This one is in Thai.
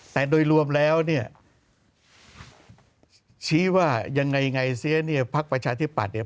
แต่โดยรวมแล้วเนี่ยชี้ว่ายังไงเสียเนี่ยพักประชาธิปัตยเนี่ย